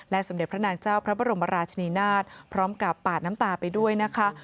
สมเด็จพระนางเจ้าพระบรมราชนีนาฏพร้อมกับปาดน้ำตาไปด้วยนะคะ